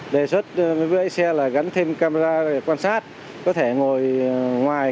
đề xuất với xe là gắn thêm camera để quan sát có thể ngồi ngoài